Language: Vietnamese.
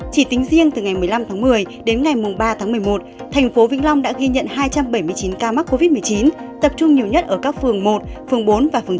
chỉ tính riêng từ ngày một mươi năm tháng một mươi đến ngày ba tháng một mươi một thành phố vĩnh long đã ghi nhận hai trăm bảy mươi chín ca mắc covid một mươi chín tập trung nhiều nhất ở các phường một phường bốn và phường chín